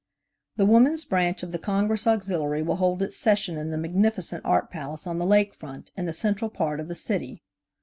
The Woman's Branch of the Congress Auxiliary will hold its sessions in the magnificent Art Palace on the Lake Front, in the central part of the city.